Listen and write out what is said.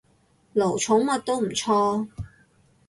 奴寵物，都唔錯